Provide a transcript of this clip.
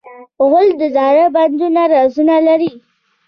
غول د زاړه بدن رازونه لري.